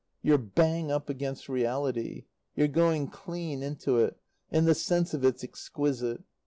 You're bang up against reality you're going clean into it and the sense of it's exquisite.